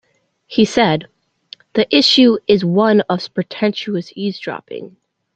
He said: The issue is one of surreptitious eavesdropping.